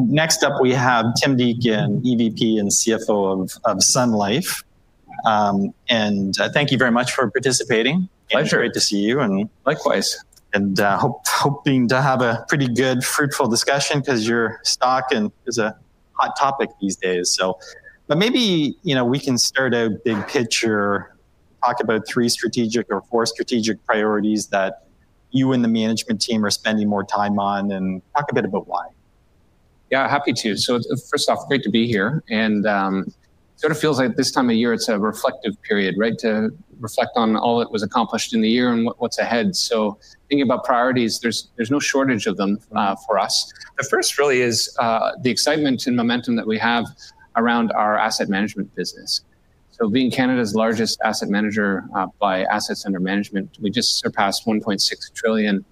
Next up, we have Tim Deacon, EVP and CFO of Sun Life. And thank you very much for participating. Pleasure. Great to see you. And likewise. Hoping to have a pretty good, fruitful discussion because your stock is a hot topic these days. But maybe we can start out big picture, talk about three strategic or four strategic priorities that you and the management team are spending more time on, and talk a bit about why. Yeah, happy to. So first off, great to be here. And it sort of feels like this time of year, it's a reflective period, right, to reflect on all that was accomplished in the year and what's ahead. So thinking about priorities, there's no shortage of them for us. The first really is the excitement and momentum that we have around our asset management business. So being Canada's largest asset manager by assets under management, we just surpassed 1.6 trillion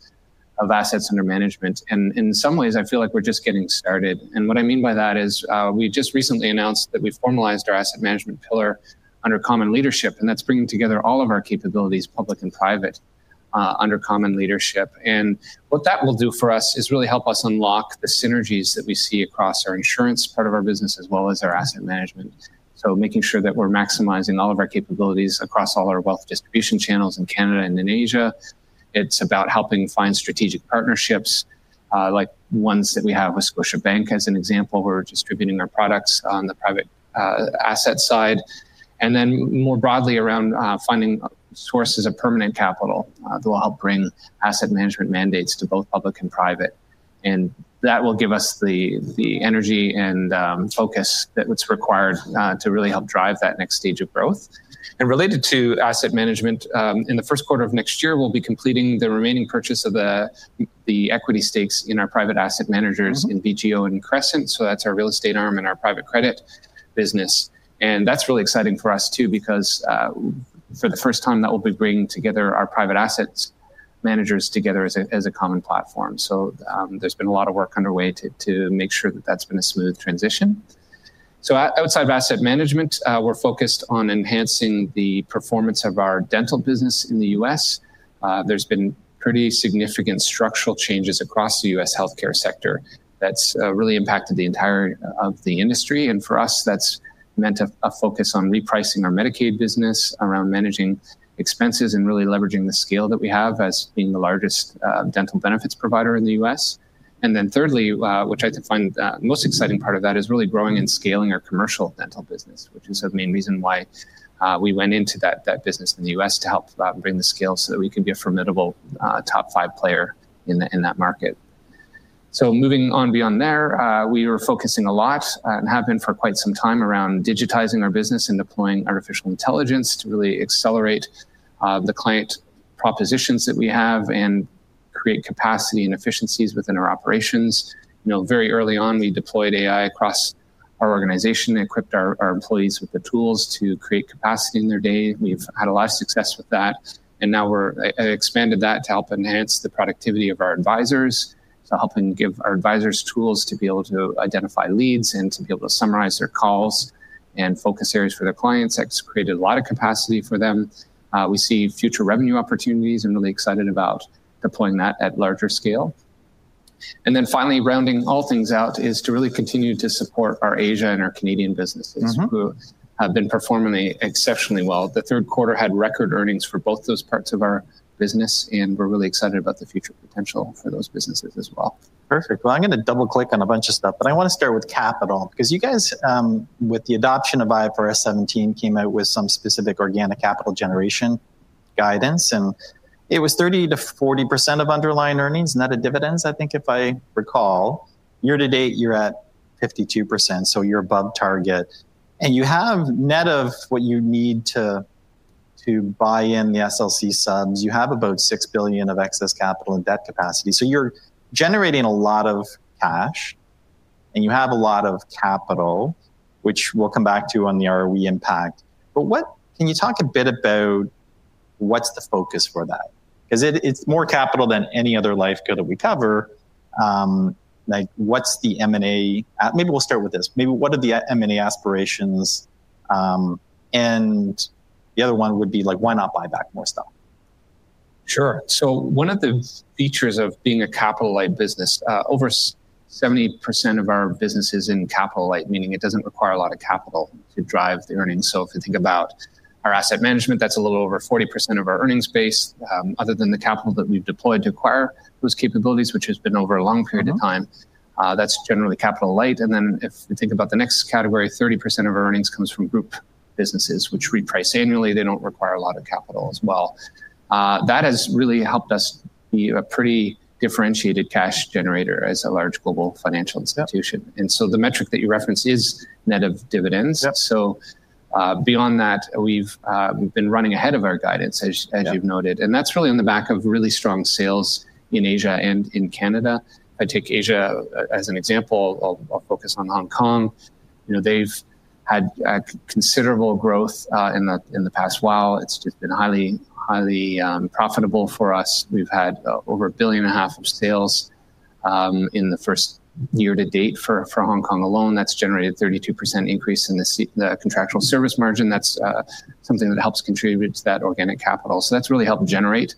of assets under management. And in some ways, I feel like we're just getting started. And what I mean by that is we just recently announced that we formalized our asset management pillar under common leadership. And that's bringing together all of our capabilities, public and private, under common leadership. And what that will do for us is really help us unlock the synergies that we see across our insurance part of our business as well as our asset management. So making sure that we're maximizing all of our capabilities across all our wealth distribution channels in Canada and in Asia. It's about helping find strategic partnerships, like ones that we have with Scotiabank as an example, where we're distributing our products on the private asset side. And then more broadly around finding sources of permanent capital that will help bring asset management mandates to both public and private. And that will give us the energy and focus that's required to really help drive that next stage of growth. And related to asset management, in the first quarter of next year, we'll be completing the remaining purchase of the equity stakes in our private asset managers in BGO and Crescent. So that's our real estate arm and our private credit business. And that's really exciting for us too, because for the first time, that will be bringing together our private asset managers together as a common platform. So there's been a lot of work underway to make sure that that's been a smooth transition. So outside of asset management, we're focused on enhancing the performance of our dental business in the U.S. There's been pretty significant structural changes across the U.S. health care sector that's really impacted the entirety of the industry. And for us, that's meant a focus on repricing our Medicaid business around managing expenses and really leveraging the scale that we have as being the largest dental benefits provider in the U.S. And then thirdly, which I think find the most exciting part of that, is really growing and scaling our commercial dental business, which is a main reason why we went into that business in the U.S. to help bring the scale so that we can be a formidable top five player in that market. So moving on beyond there, we were focusing a lot and have been for quite some time around digitizing our business and deploying artificial intelligence to really accelerate the client propositions that we have and create capacity and efficiencies within our operations. Very early on, we deployed AI across our organization and equipped our employees with the tools to create capacity in their day. We've had a lot of success with that. And now we've expanded that to help enhance the productivity of our advisors, so helping give our advisors tools to be able to identify leads and to be able to summarize their calls and focus areas for their clients. That's created a lot of capacity for them. We see future revenue opportunities and are really excited about deploying that at a larger scale. And then finally, rounding all things out, is to really continue to support our Asia and our Canadian businesses, who have been performing exceptionally well. The third quarter had record earnings for both those parts of our business. And we're really excited about the future potential for those businesses as well. Perfect. Well, I'm going to double-click on a bunch of stuff. But I want to start with capital, because you guys, with the adoption of IFRS 17, came out with some specific organic capital generation guidance. And it was 30% to 40% of underlying earnings, net of dividends, I think, if I recall. Year-to-date, you're at 52%. So you're above target. And you have net of what you need to buy in the SLC subs. You have about 6 billion of excess capital and debt capacity. So you're generating a lot of cash. And you have a lot of capital, which we'll come back to on the ROE impact. But can you talk a bit about what's the focus for that? Because it's more capital than any other life good that we cover. What's the M&A? Maybe we'll start with this. Maybe what are the M&A aspirations? And the other one would be like, why not buy back more stock? Sure. So one of the features of being a capital-light business, over 70% of our business is in capital light, meaning it doesn't require a lot of capital to drive the earnings. So if you think about our asset management, that's a little over 40% of our earnings base. Other than the capital that we've deployed to acquire those capabilities, which has been over a long period of time, that's generally capital light. And then if you think about the next category, 30% of our earnings comes from group businesses, which reprice annually. They don't require a lot of capital as well. That has really helped us be a pretty differentiated cash generator as a large global financial institution. And so the metric that you referenced is net of dividends. So beyond that, we've been running ahead of our guidance, as you've noted. And that's really on the back of really strong sales in Asia and in Canada. I take Asia as an example. I'll focus on Hong Kong. They've had considerable growth in the past while. It's just been highly profitable for us. We've had over 1.5 billion of sales in the first year to date for Hong Kong alone. That's generated a 32% increase in the contractual service margin. That's something that helps contribute to that organic capital. So that's really helped generate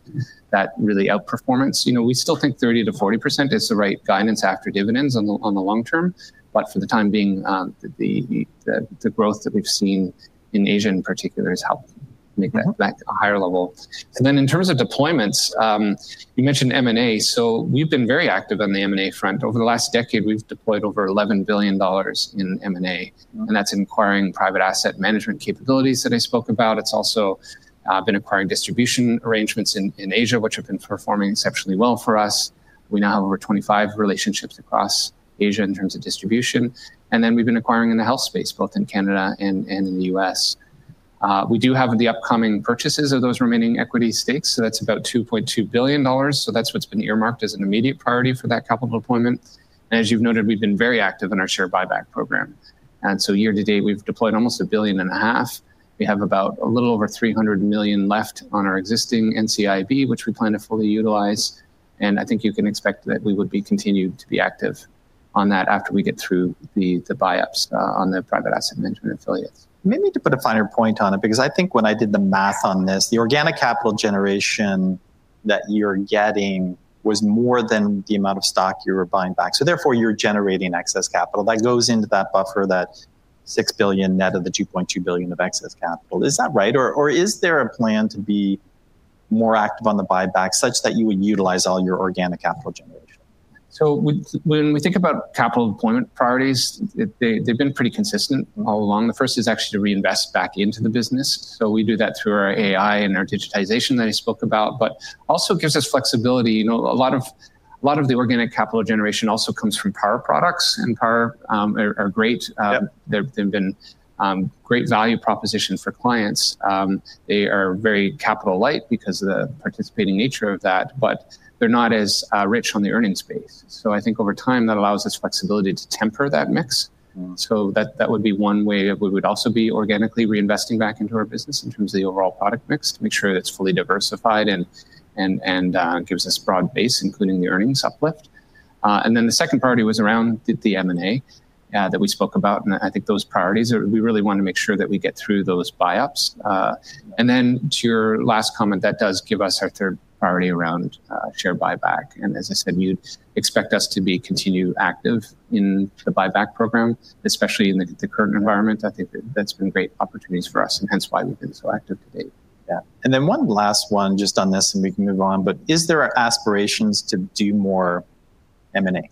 that really outperformance. We still think 30% to 40% is the right guidance after dividends on the long term. But for the time being, the growth that we've seen in Asia, in particular, has helped make that a higher level. And then in terms of deployments, you mentioned M&A. So we've been very active on the M&A front. Over the last decade, we've deployed over 11 billion dollars in M&A. And that's inquiring private asset management capabilities that I spoke about. It's also been acquiring distribution arrangements in Asia, which have been performing exceptionally well for us. We now have over 25 relationships across Asia in terms of distribution. And then we've been acquiring in the health space, both in Canada and in the U.S. We do have the upcoming purchases of those remaining equity stakes. So that's about 2.2 billion dollars. So that's what's been earmarked as an immediate priority for that capital deployment. And as you've noted, we've been very active in our share buyback program. And so year to date, we've deployed almost a billion and a half. We have about a little over 300 million left on our existing NCIB, which we plan to fully utilize. And I think you can expect that we would continue to be active on that after we get through the buy-ups on the private asset management affiliates. Maybe to put a finer point on it, because I think when I did the math on this, the organic capital generation that you're getting was more than the amount of stock you were buying back. So therefore, you're generating excess capital. That goes into that buffer, that 6 billion net of the 2.2 billion of excess capital. Is that right? Or is there a plan to be more active on the buyback such that you would utilize all your organic capital generation? So when we think about capital deployment priorities, they've been pretty consistent all along. The first is actually to reinvest back into the business. So we do that through our AI and our digitization that I spoke about, but also gives us flexibility. A lot of the organic capital generation also comes from power products. And power are great. They've been great value propositions for clients. They are very capital light because of the participating nature of that. But they're not as rich on the earnings base. So I think over time, that allows us flexibility to temper that mix. So that would be one way that we would also be organically reinvesting back into our business in terms of the overall product mix to make sure it's fully diversified and gives us a broad base, including the earnings uplift. And then the second priority was around the M&A that we spoke about. And I think those priorities, we really want to make sure that we get through those buy-ups. And then to your last comment, that does give us our third priority around share buyback. And as I said, you'd expect us to be continuing active in the buyback program, especially in the current environment. I think that's been great opportunities for us, and hence why we've been so active today. And then one last one just on this, and we can move on. But is there aspirations to do more M&A?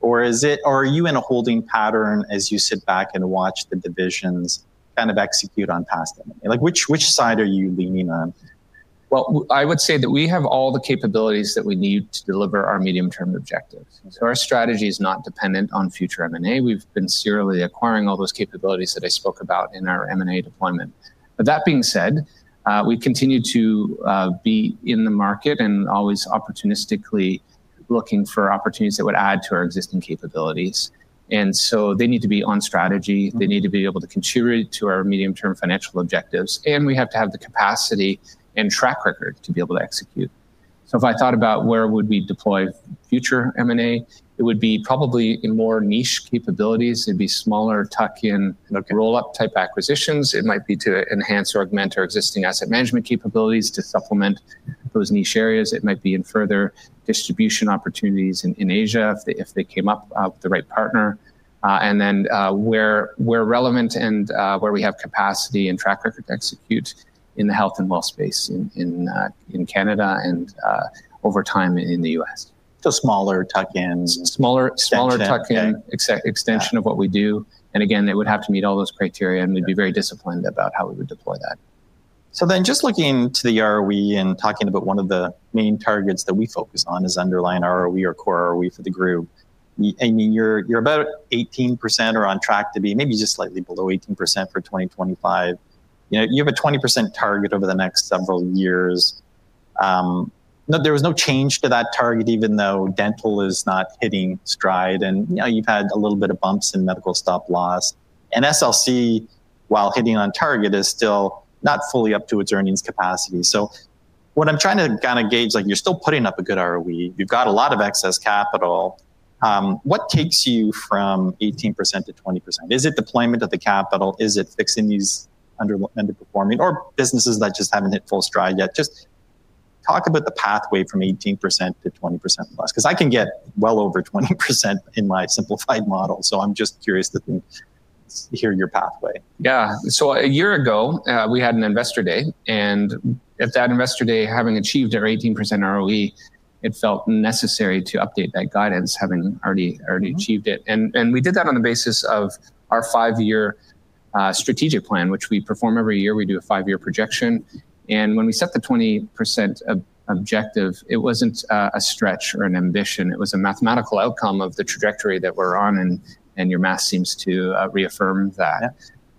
Or are you in a holding pattern as you sit back and watch the divisions kind of execute on past M&A? Which side are you leaning on? Well, I would say that we have all the capabilities that we need to deliver our medium-term objectives. So our strategy is not dependent on future M&A. We've been serially acquiring all those capabilities that I spoke about in our M&A deployment. But that being said, we continue to be in the market and always opportunistically looking for opportunities that would add to our existing capabilities. And so they need to be on strategy. They need to be able to contribute to our medium-term financial objectives. And we have to have the capacity and track record to be able to execute. So if I thought about where would we deploy future M&A, it would be probably in more niche capabilities. It'd be smaller tuck-in roll-up type acquisitions. It might be to enhance or augment our existing asset management capabilities to supplement those niche areas. It might be in further distribution opportunities in Asia if they came up with the right partner. And then where relevant and where we have capacity and track record to execute in the health and wealth space in Canada and over time in the U.S. So smaller tuck-ins. Smaller tuck-in extension of what we do. And again, it would have to meet all those criteria. And we'd be very disciplined about how we would deploy that. So then just looking to the ROE and talking about one of the main targets that we focus on as underlying ROE or core ROE for the group, you're about 18% or on track to be maybe just slightly below 18% for 2025. You have a 20% target over the next several years. There was no change to that target, even though dental is not hitting stride. And you've had a little bit of bumps in medical stop loss. And SLC, while hitting on target, is still not fully up to its earnings capacity. So what I'm trying to kind of gauge is you're still putting up a good ROE. You've got a lot of excess capital. What takes you from 18%-20%? Is it deployment of the capital? Is it fixing these underperforming or businesses that just haven't hit full stride yet? Just talk about the pathway from 18%-20%+. Because I can get well over 20% in my simplified model. So I'm just curious to hear your pathway. Yeah. So a year ago, we had an investor day. And at that investor day, having achieved our 18% ROE, it felt necessary to update that guidance, having already achieved it. And we did that on the basis of our five-year strategic plan, which we perform every year. We do a five-year projection. And when we set the 20% objective, it wasn't a stretch or an ambition. It was a mathematical outcome of the trajectory that we're on. And your math seems to reaffirm that.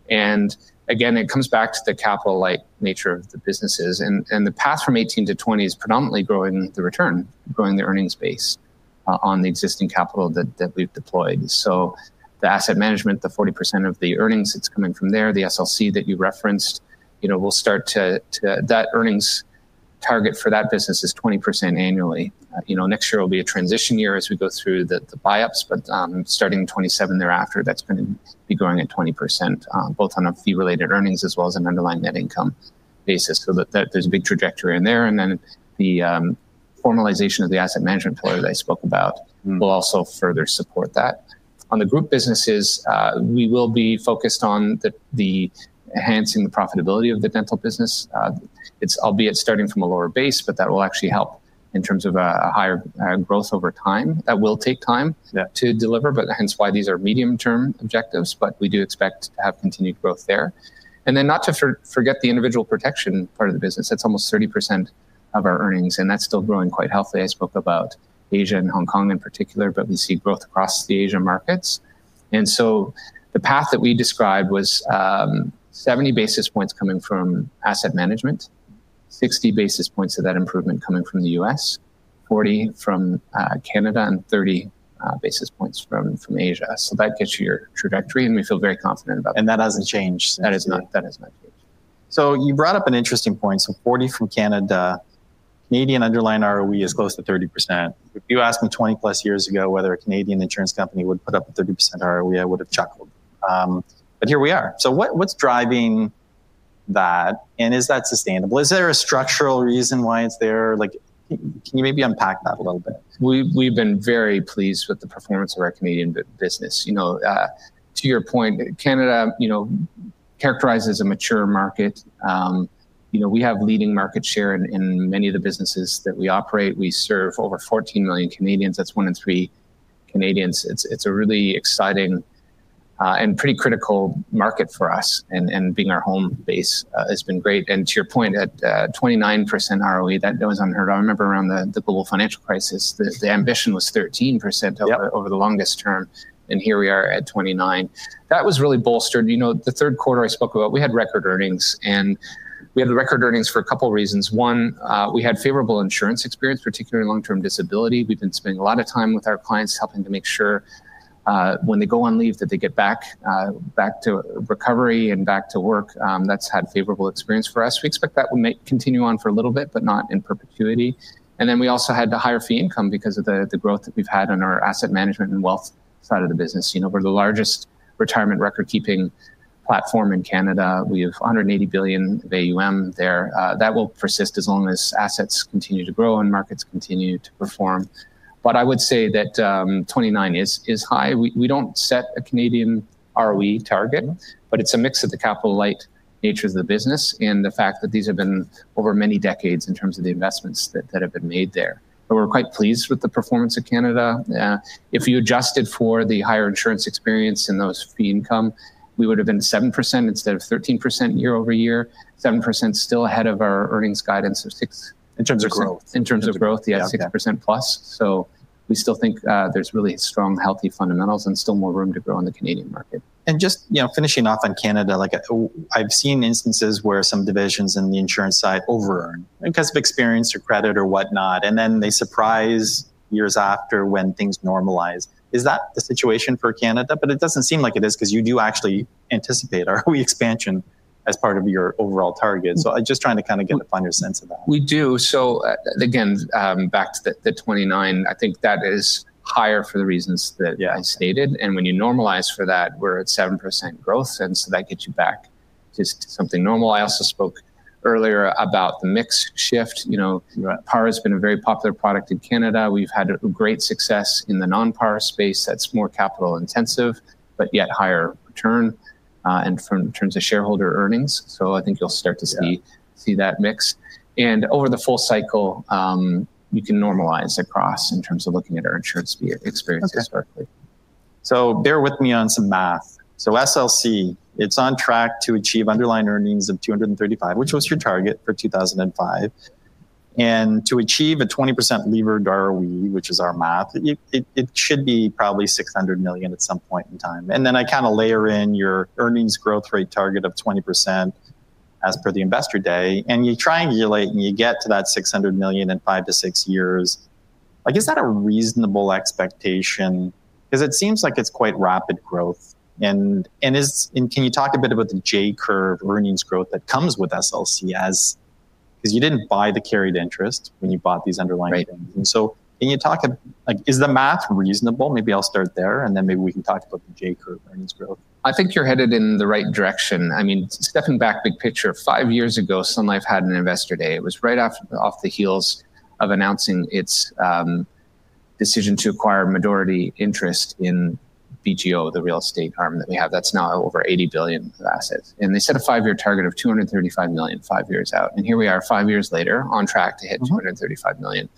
And again, it comes back to the capital-light nature of the businesses. And the path from 18-20 is predominantly growing the return, growing the earnings base on the existing capital that we've deployed. So the asset management, the 40% of the earnings, it's coming from there. The SLC that you referenced, we'll start to that earnings target for that business is 20% annually. Next year will be a transition year as we go through the buy-ups. But starting in 2027 thereafter, that's going to be growing at 20%, both on a fee-related earnings as well as an underlying net income basis. So there's a big trajectory in there. And then the formalization of the asset management pillar that I spoke about will also further support that. On the group businesses, we will be focused on enhancing the profitability of the dental business, albeit starting from a lower base. But that will actually help in terms of a higher growth over time. That will take time to deliver. But hence why these are medium-term objectives. But we do expect to have continued growth there. And then not to forget the individual protection part of the business. That's almost 30% of our earnings. And that's still growing quite healthily. I spoke about Asia and Hong Kong in particular. But we see growth across the Asia markets. And so the path that we described was 70 basis points coming from asset management, 60 basis points of that improvement coming from the U.S., 40 from Canada, and 30 basis points from Asia. So that gets you your trajectory. And we feel very confident about that. And that hasn't changed. That has not changed. So you brought up an interesting point. So 40% from Canada, Canadian underlying ROE is close to 30%. If you asked me 20-plus years ago whether a Canadian insurance company would put up a 30% ROE, I would have chuckled. But here we are. So what's driving that? And is that sustainable? Is there a structural reason why it's there? Can you maybe unpack that a little bit? We've been very pleased with the performance of our Canadian business. To your point, Canada characterizes a mature market. We have leading market share in many of the businesses that we operate. We serve over 14 million Canadians. That's one in three Canadians. It's a really exciting and pretty critical market for us. And being our home base has been great. And to your point, at 29% ROE, that was unheard. I remember around the global financial crisis, the ambition was 13% over the longest term. And here we are at 29%. That was really bolstered. The third quarter I spoke about, we had record earnings. And we had record earnings for a couple of reasons. One, we had favorable insurance experience, particularly in long-term disability. We've been spending a lot of time with our clients helping to make sure when they go on leave that they get back to recovery and back to work. That's had favorable experience for us. We expect that will continue on for a little bit, but not in perpetuity. And then we also had the higher fee income because of the growth that we've had on our asset management and wealth side of the business. We're the largest retirement record-keeping platform in Canada. We have 180 billion of AUM there. That will persist as long as assets continue to grow and markets continue to perform. But I would say that 29% is high. We don't set a Canadian ROE target. But it's a mix of the capital-light nature of the business and the fact that these have been over many decades in terms of the investments that have been made there. But we're quite pleased with the performance of Canada. If you adjusted for the higher insurance experience and those fee income, we would have been 7% instead of 13% year-over-year. 7% still ahead of our earnings guidance of 6%. In terms of growth. In terms of growth, yeah, 6%+. So we still think there's really strong, healthy fundamentals and still more room to grow on the Canadian market. And just finishing off on Canada, I've seen instances where some divisions in the insurance side over-earn because of experience or credit or whatnot. And then they surprise years after when things normalize. Is that the situation for Canada? But it doesn't seem like it is because you do actually anticipate ROE expansion as part of your overall target. So I'm just trying to kind of get a finer sense of that. We do. So again, back to the 29%, I think that is higher for the reasons that I stated. And when you normalize for that, we're at 7% growth. And so that gets you back to something normal. I also spoke earlier about the mix shift. Par has been a very popular product in Canada. We've had great success in the non-par space. That's more capital intensive, but yet higher return and in terms of shareholder earnings. So I think you'll start to see that mix. And over the full cycle, you can normalize across in terms of looking at our insurance experience historically. So bear with me on some math. So SLC, it's on track to achieve underlying earnings of 235, which was your target for 2005. And to achieve a 20% levered ROE, which is our math, it should be probably 600 million at some point in time. And then I kind of layer in your earnings growth rate target of 20% as per the investor day. And you triangulate and you get to that 600 million in five to six years. Is that a reasonable expectation? Because it seems like it's quite rapid growth. And can you talk a bit about the J-curve earnings growth that comes with SLC? Because you didn't buy the carried interest when you bought these underlying things. And so can you talk about, is the math reasonable? Maybe I'll start there. And then maybe we can talk about the J-curve earnings growth. I think you're headed in the right direction. I mean, stepping back big picture, five years ago, Sun Life had an investor day. It was right off the heels of announcing its decision to acquire majority interest in BGO, the real estate arm that we have. That's now over 80 billion of assets. And they set a five-year target of 235 million five years out. And here we are, five years later, on track to hit 235 million.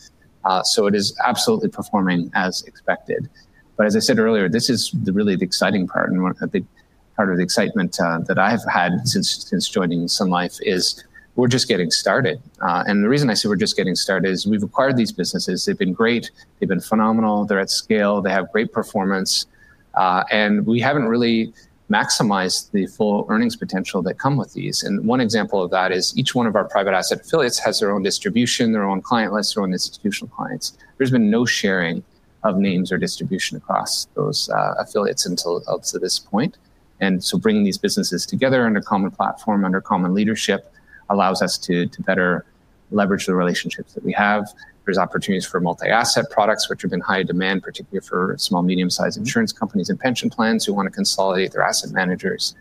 So it is absolutely performing as expected. But as I said earlier, this is really the exciting part. And I think part of the excitement that I have had since joining Sun Life is we're just getting started. And the reason I say we're just getting started is we've acquired these businesses. They've been great. They've been phenomenal. They're at scale. They have great performance. And we haven't really maximized the full earnings potential that come with these. And one example of that is each one of our private asset affiliates has their own distribution, their own client list, their own institutional clients. There's been no sharing of names or distribution across those affiliates up to this point. And so bringing these businesses together under a common platform, under common leadership, allows us to better leverage the relationships that we have. There's opportunities for multi-asset products, which have been high demand, particularly for small, medium-sized insurance companies and pension plans who want to consolidate their asset managers.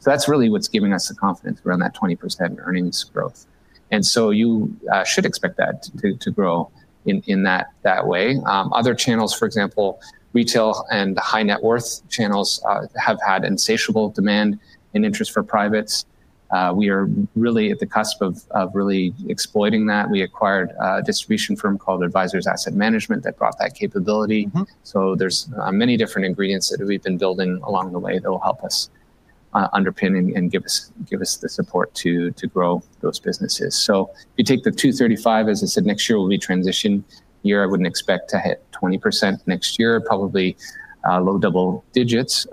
So that's really what's giving us the confidence around that 20% earnings growth. And so you should expect that to grow in that way. Other channels, for example, retail and high-net-worth channels have had insatiable demand and interest for privates. We are really at the cusp of really exploiting that. We acquired a distribution firm called Advisors Asset Management that brought that capability. So there's many different ingredients that we've been building along the way that will help us underpin and give us the support to grow those businesses. So if you take the 235, as I said, next year will be transition year. I wouldn't expect to hit 20% next year, probably low double digits.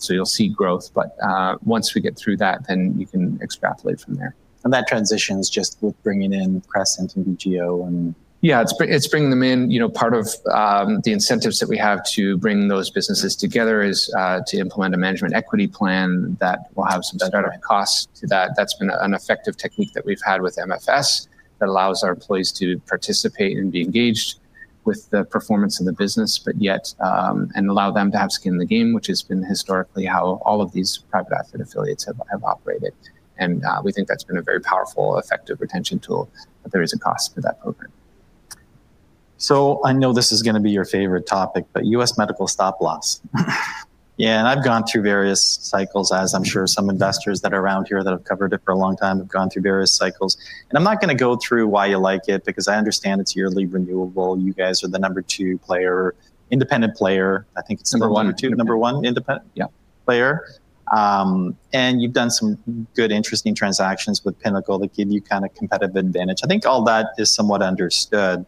So you'll see growth. But once we get through that, then you can extrapolate from there. And that transition is just with bringing in Crescent and BGO and. Yeah, it's bringing them in. Part of the incentives that we have to bring those businesses together is to implement a management equity plan that will have some startup costs to that. That's been an effective technique that we've had with MFS that allows our employees to participate and be engaged with the performance of the business and allow them to have skin in the game, which has been historically how all of these private asset affiliates have operated. And we think that's been a very powerful, effective retention tool. But there is a cost for that program. So I know this is going to be your favorite topic, but U.S. medical stop loss. Yeah, and I've gone through various cycles, as I'm sure some investors that are around here that have covered it for a long time have gone through various cycles. And I'm not going to go through why you like it because I understand it's yearly renewable. You guys are the number two player, independent player. I think it's number one or two, number one independent player. And you've done some good, interesting transactions with Pinnacle that give you kind of competitive advantage. I think all that is somewhat understood.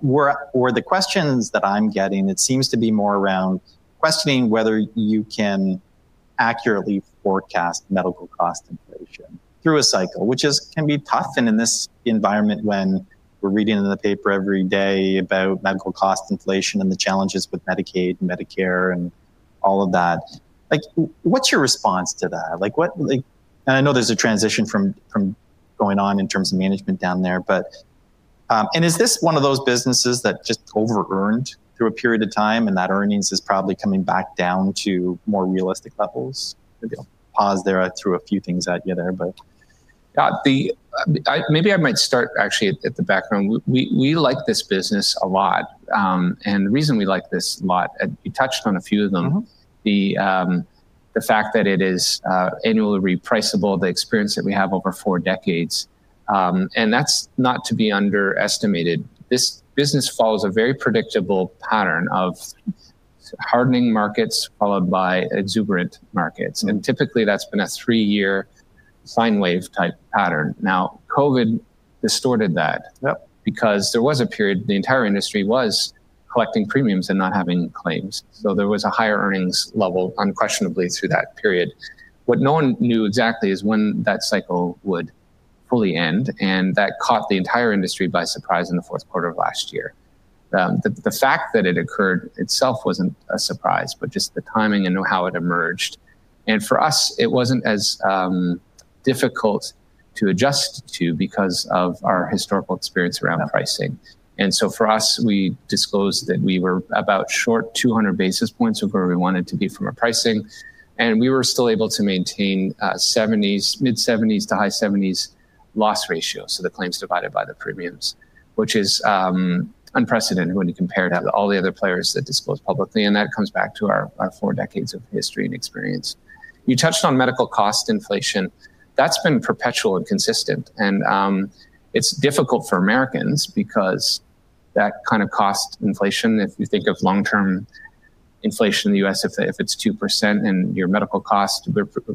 The questions that I'm getting, it seems to be more around questioning whether you can accurately forecast medical cost inflation through a cycle, which can be tough. And in this environment, when we're reading in the paper every day about medical cost inflation and the challenges with Medicaid and Medicare and all of that, what's your response to that? And I know there's a transition going on in terms of management down there. And is this one of those businesses that just over-earned through a period of time? And that earnings is probably coming back down to more realistic levels? Maybe I'll pause there through a few things out of there. Maybe I might start actually at the background. We like this business a lot. And the reason we like this a lot, you touched on a few of them, the fact that it is annually repriceable, the experience that we have over four decades. And that's not to be underestimated. This business follows a very predictable pattern of hardening markets followed by exuberant markets. And typically, that's been a three-year sine wave type pattern. Now, COVID distorted that because there was a period the entire industry was collecting premiums and not having claims. So there was a higher earnings level unquestionably through that period. What no one knew exactly is when that cycle would fully end. And that caught the entire industry by surprise in the fourth quarter of last year. The fact that it occurred itself wasn't a surprise, but just the timing and how it emerged. And for us, it wasn't as difficult to adjust to because of our historical experience around pricing. And so for us, we disclosed that we were about short 200 basis points of where we wanted to be from a pricing. And we were still able to maintain mid-70s to high-70s loss ratio. So the claims divided by the premiums, which is unprecedented when you compare it to all the other players that disclose publicly. And that comes back to our four decades of history and experience. You touched on medical cost inflation. That's been perpetual and consistent. And it's difficult for Americans because that kind of cost inflation, if you think of long-term inflation in the U.S., if it's 2% and your medical cost,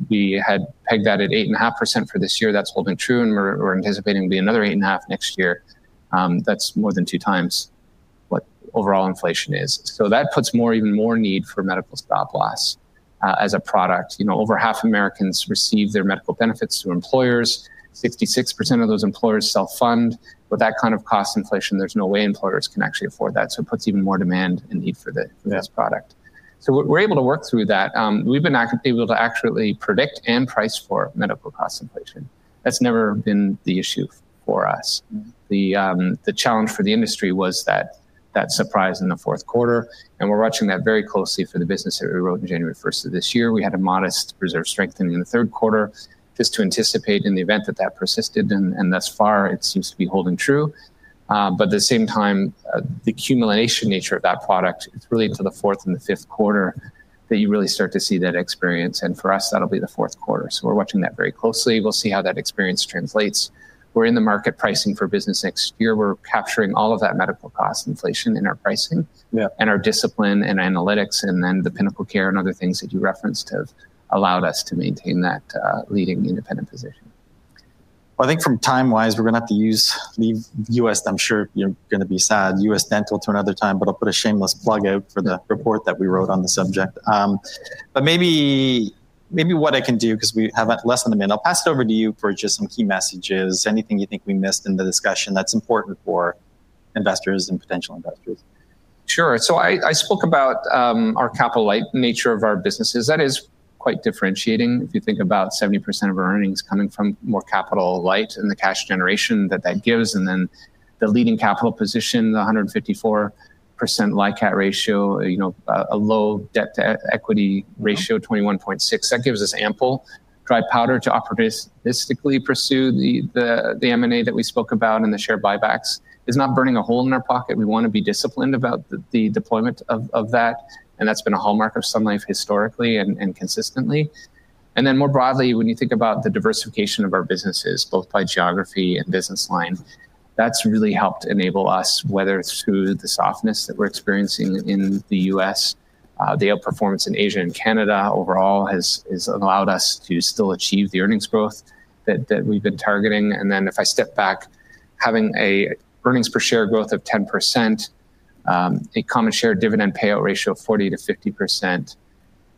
we had pegged that at 8.5% for this year. That's holding true. And we're anticipating it will be another 8.5% next year. That's more than two times what overall inflation is. So that puts even more need for medical stop loss as a product. Over half of Americans receive their medical benefits through employers. 66% of those employers self-fund. With that kind of cost inflation, there's no way employers can actually afford that. So it puts even more demand and need for this product. So we're able to work through that. We've been able to accurately predict and price for medical cost inflation. That's never been the issue for us. The challenge for the industry was that surprise in the fourth quarter. And we're watching that very closely for the business that we wrote in January 1st of this year. We had a modest reserve strengthening in the third quarter just to anticipate in the event that that persisted. And thus far, it seems to be holding true. But at the same time, the accumulation nature of that product, it's really to the fourth and the fifth quarter that you really start to see that experience. And for us, that'll be the fourth quarter. So we're watching that very closely. We'll see how that experience translates. We're in the market pricing for business next year. We're capturing all of that medical cost inflation in our pricing and our discipline and analytics. And then the PinnacleCare and other things that you referenced have allowed us to maintain that leading independent position. Well, I think from time-wise, we're going to have to use U.S., I'm sure you're going to be sad, U.S. Dental to another time. But I'll put a shameless plug out for the report that we wrote on the subject. But maybe what I can do, because we have less than a minute, I'll pass it over to you for just some key messages, anything you think we missed in the discussion that's important for investors and potential investors. Sure. So I spoke about our capital-light nature of our businesses. That is quite differentiating. If you think about 70% of our earnings coming from more capital-light and the cash generation that that gives, and then the leading capital position, the 154% LICAT ratio, a low debt-to-equity ratio, 21.6, that gives us ample dry powder to operativistically pursue the M&A that we spoke about and the share buybacks. It's not burning a hole in our pocket. We want to be disciplined about the deployment of that. And that's been a hallmark of Sun Life historically and consistently. And then more broadly, when you think about the diversification of our businesses, both by geography and business line, that's really helped enable us, whether it's through the softness that we're experiencing in the U.S., the outperformance in Asia and Canada overall has allowed us to still achieve the earnings growth that we've been targeting. And then if I step back, having an earnings per share growth of 10%, a common share dividend payout ratio of 40% to 50%,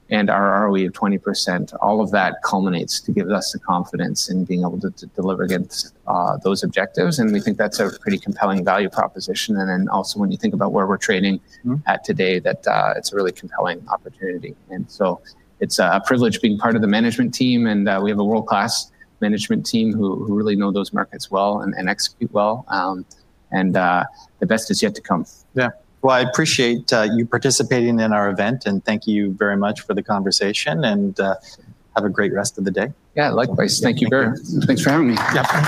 and our ROE of 20%, all of that culminates to give us the confidence in being able to deliver against those objectives. And we think that's a pretty compelling value proposition. And then also when you think about where we're trading at today, that it's a really compelling opportunity. And so it's a privilege being part of the management team. And we have a world-class management team who really know those markets well and execute well. And the best is yet to come. Yeah. Well, I appreciate you participating in our event. And thank you very much for the conversation. And have a great rest of the day. Yeah, likewise. Thank you, Gurt. Thanks for having me. Yep.